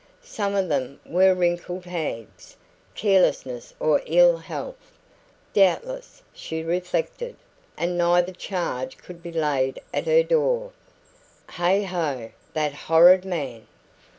Some of them were wrinkled hags. Carelessness or ill health, doubtless, she reflected; and neither charge could be laid at her door. Heigh ho! That horrid man!